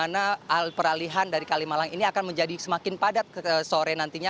atau apakah ini akan menjadi titik dimana peralihan dari kalimalang ini akan menjadi semakin padat sore nantinya